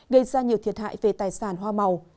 gây ra nhiều thiệt hại về tài sản hoa màu